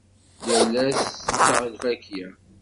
Yal ass tetteɣ lfakya.